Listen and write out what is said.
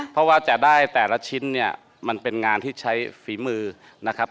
เพราะว่าจะได้แต่ละชิ้นเนี่ยมันเป็นงานที่ใช้ฝีมือนะครับ